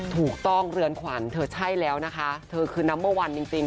ถูกต้องเรือนขวัญเธอใช่แล้วนะคะเธอคือนัมเบอร์๑จริง